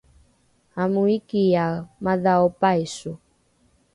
amoikiae madhao paiso